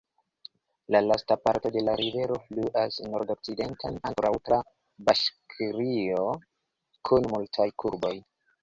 La lasta parto de la rivero fluas nordokcidenten, ankoraŭ tra Baŝkirio, kun multaj kurboj.